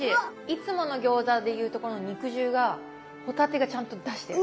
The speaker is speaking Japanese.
いつもの餃子でいうところの肉汁が帆立てがちゃんと出してる。